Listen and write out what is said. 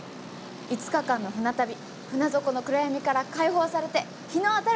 ５日間の船旅船底の暗闇から解放されて日の当たる世界へ！